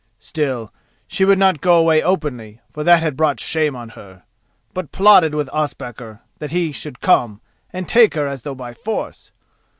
Still, she would not go away openly, for that had brought shame on her, but plotted with Ospakar that he should come and take her as though by force.